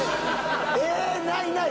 えないない！